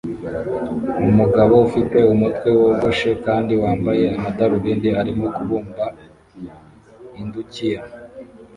Umugabo ufite umutwe wogoshe kandi wambaye amadarubindi arimo kubumba indukiya